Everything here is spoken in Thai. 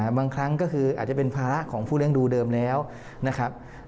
บางครั้งก็คืออาจจะเป็นภาระของผู้เลี้ยงดูเดิมแล้วนะครับ